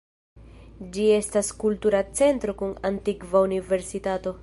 Ĝi estas kultura centro kun antikva universitato.